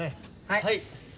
はい。